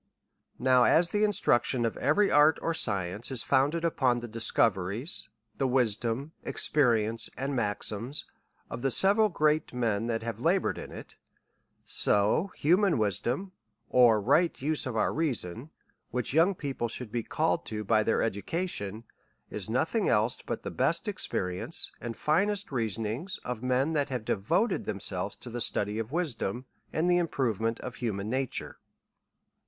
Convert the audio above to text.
Now as the instruction of every art or science is founded upon the discoveries^ the wisdom, experience, and maxims of the several g reat men that have labour ed in it ; so that human wisdom, or right use of our reason, which young people should be called to by their education, is nothing else but the best experience and finest reasonings of men, that have devoted them selves to the study of wisdom, and the improvement of human nature.